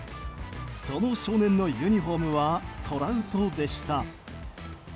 その少年のユニホームはトラウトでした。